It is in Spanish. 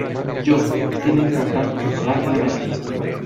yo, sin intentar consolarla me alejé.